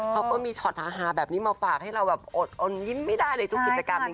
เขาก็มีช็อตฮาแบบนี้มาฝากให้เราแบบอดอนยิ้มไม่ได้ในทุกกิจกรรมจริง